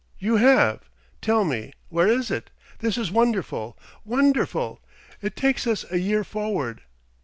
"You have. Tell me, where is it? This is wonderful, wonderful! It takes us a year forward."